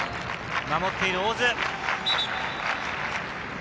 守っている、大津。